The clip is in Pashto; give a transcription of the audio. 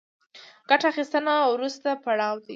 ګټه اخیستنه وروستی پړاو دی